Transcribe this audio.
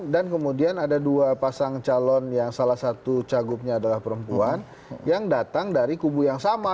dan kemudian ada dua pasang calon yang salah satu cagupnya adalah perempuan yang datang dari kubu yang sama